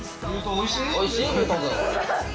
おいしい？